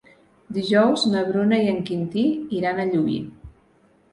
Dijous na Bruna i en Quintí iran a Llubí.